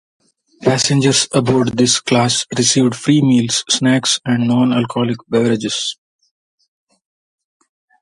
Passengers aboard this class received free meals, snacks, and non-alcoholic beverages.